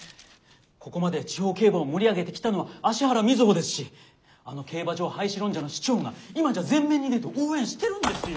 ここまで地方競馬を盛り上げてきたのは芦原瑞穂ですしあの競馬場廃止論者の市長が今じゃ前面に出て応援してるんですよ！